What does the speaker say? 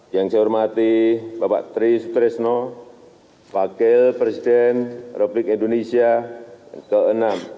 yang saya hormati bapak tri supresno wakil presiden republik indonesia ke enam